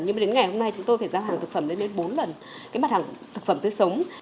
nhưng mà đến ngày hôm nay chúng tôi phải giao hàng thực phẩm lên đến bốn lần cái mặt hàng thực phẩm tươi sống